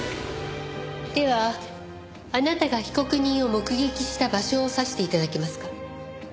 ではあなたが被告人を目撃した場所を指して頂けますか？